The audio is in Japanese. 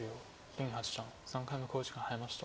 林八段３回目の考慮時間に入りました。